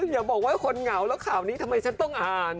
อย่าบอกว่าคนเหงาแล้วข่าวนี้ทำไมฉันต้องอ่าน